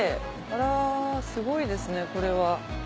あらすごいですねこれは。